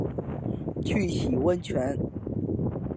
去洗温泉